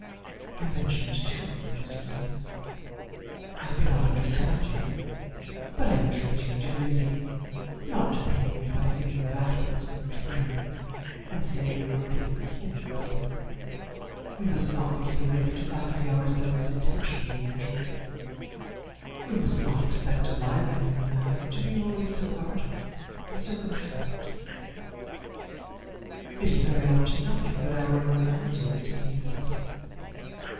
You mentioned two instances. I cannot misunderstand you, but I entreat you, dear Lizzy, not to pain me by thinking that person to blame, and saying your opinion of him is sunk. We must not be so ready to fancy ourselves intentionally injured. We must not expect a lively young man to be always so guarded and circumspect. It is very often nothing but our own vanity that deceives us.